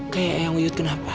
kayak yang uyut kenapa